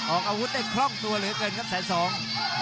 ออกอาวุธได้คล่องตัวเหลือเกินครับแสนสอง